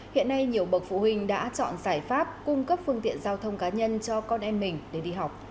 hiện nay nhiều bậc phụ huynh đã chọn giải pháp cung cấp phương tiện giao thông cá nhân cho con em mình để đi học